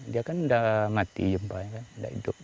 dia kan udah mati jempa kan udah hidup